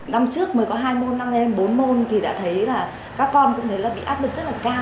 năm trước mới có hai môn năm em bốn môn thì đã thấy là các con cũng thấy là bị áp lực rất là cao